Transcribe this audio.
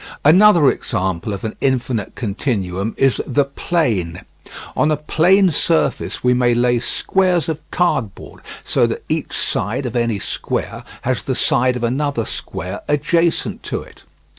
Another example of an infinite continuum is the plane. On a plane surface we may lay squares of cardboard so that each side of any square has the side of another square adjacent to it.